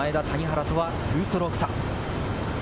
トップ・前田、谷原とは２ストローク差。